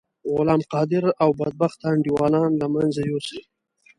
غلام قادر او بدبخته انډيوالان له منځه یوسی.